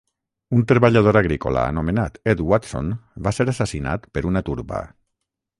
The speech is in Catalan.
Un treballador agrícola anomenat Edd Watson va ser assassinat per una turba.